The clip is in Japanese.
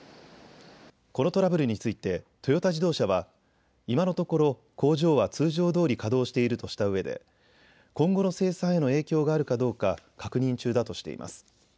このトラブルについてトヨタ自動車は今のところ工場は通常どおり稼働しているとしたうえで今後の生産への影響があるかどうか確認中だとしています。